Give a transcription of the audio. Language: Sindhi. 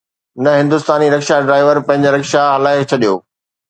ته هندستاني رڪشا ڊرائيور پنهنجو رڪشا هلائي ڇڏيو